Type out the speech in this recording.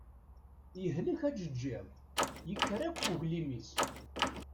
Yehlek ajeǧǧiḍ, yekker akk uglim-is.